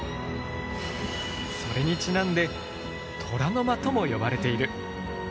それにちなんで「虎の間」とも呼ばれている。